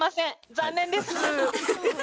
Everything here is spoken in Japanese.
残念です。